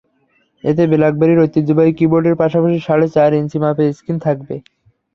এতে ব্ল্যাকবেরির ঐহিত্যবাহী কিবোর্ডের পাশাপাশি সাড়ে চার ইঞ্চি মাপের স্ক্রিন থাকবে।